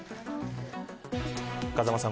風間さん